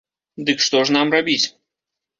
Дык што ж нам рабіць?